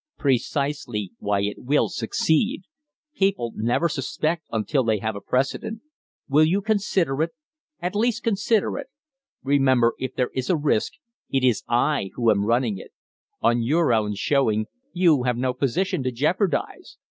"Precisely why it will succeed. People never suspect until they have a precedent. Will you consider it? At least consider it. Remember, if there is a risk, it is I who am running it. On your own showing, you have no position to jeopardize."